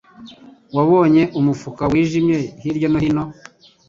Wabonye umufuka wijimye hirya no hino?